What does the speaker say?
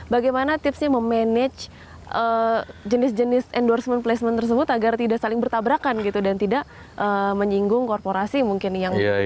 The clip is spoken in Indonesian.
bagaimana tipsnya memanage jenis jenis endorsement placement tersebut agar tidak saling bertabrakan gitu dan tidak menyinggung korporasi mungkin yang